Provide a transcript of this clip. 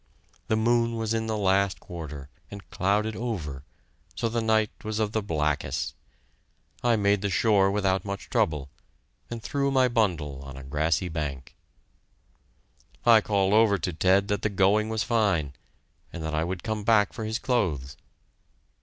The moon was in the last quarter, and clouded over, so the night was of the blackest. I made the shore without much trouble, and threw my bundle on a grassy bank. I called over to Ted that the going was fine, and that I would come back for his clothes.